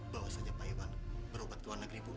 bawa saja pak iwan berobat tuhan negeri bu